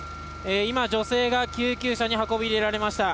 今、女性が救急車に運び入れられました。